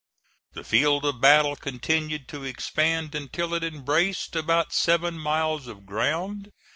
The field of battle continued to expand until it embraced about seven miles of ground.